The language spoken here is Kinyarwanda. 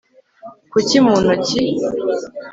kuki mu ntoki